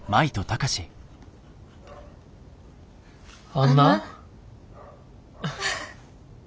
あんな。